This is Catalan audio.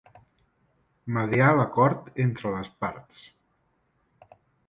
Mediar l'acord entre les parts.